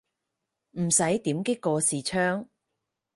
唔使點擊個視窗